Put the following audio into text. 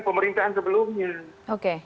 pemerintahan sebelumnya oke